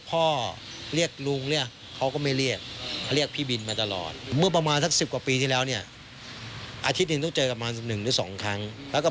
ผมออกมาเนี่ยเพราะอะไรยังไง